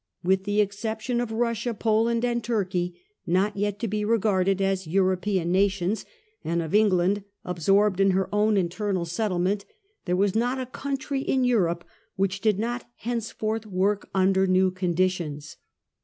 With the exception of Russia, Poland, and Turkey, not yet to be regarded as Eutopean nations, and of England, absorbed in her own internal settlement, there was not a country in Europe which did not henceforth work under new conditions.